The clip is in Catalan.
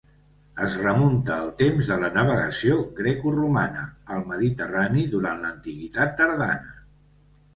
Es remunta al temps de la navegació grecoromana al mediterrani durant l'antiguitat tardana.